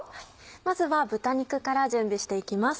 まずは豚肉から準備していきます。